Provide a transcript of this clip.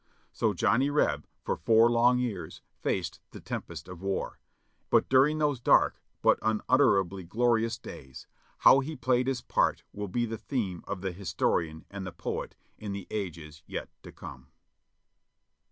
So Johnny Reb for four long years faced the tempest of war, and during those dark but unutterably glorious days, how he played his part will be the theme of the historian and the poet in the ages yet to come.